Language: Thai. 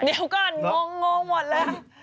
เดี๋ยวก่อนงงหมดเลย